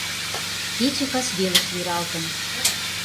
Кече кас велыш йӧралтын.